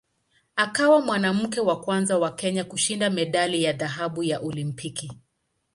Akawa mwanamke wa kwanza wa Kenya kushinda medali ya dhahabu ya Olimpiki.